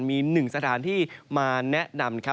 มี๑สถานที่มาแนะนำ